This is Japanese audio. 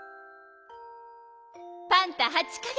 「パンタ８か月。